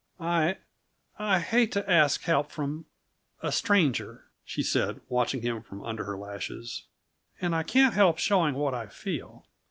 "I I hate to ask help from a stranger," she said, watching him from under her lashes. "And I can't help showing what I feel.